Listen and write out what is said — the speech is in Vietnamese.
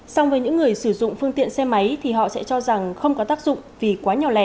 xong với những người sử dụng phương tiện xe máy thì họ sẽ cho rằng không có tác dụng vì quá nhỏ lẻ